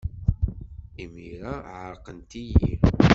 Imir-a, ɛerqent-iyi.